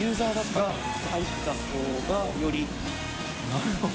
なるほど。